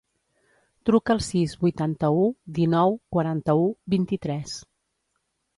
Truca al sis, vuitanta-u, dinou, quaranta-u, vint-i-tres.